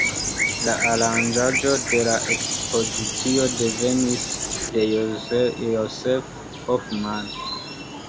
La aranĝaĵo de la ekspozicio devenis de Josef Hoffmann.